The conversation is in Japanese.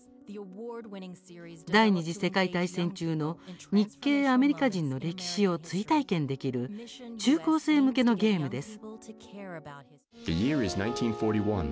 第２次世界大戦中の日系アメリカ人の歴史を追体験できる中高生向けのゲームです。